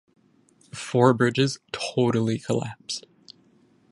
Four bridges totally collapsed.